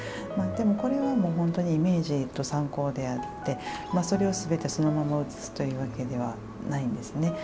これはもう本当にイメージと参考であってそれを全てそのまま写すというわけではないんですね。